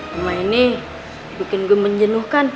sama ini bikin gue menjenuhkan